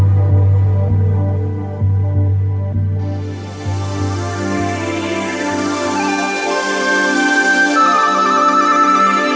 โชว์สี่ภาคจากอัลคาซ่าครับ